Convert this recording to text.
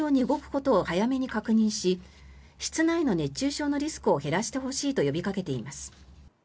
ことを早めに確認し室内の熱中症のリスクを減らしてほしいと呼びかけています。